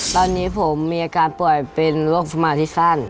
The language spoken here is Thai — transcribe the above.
ตอนนี้ผมมีอาการป่วยเป็นโรคสมาธิสั้น